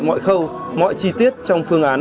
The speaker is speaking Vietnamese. mọi khâu mọi chi tiết trong phương án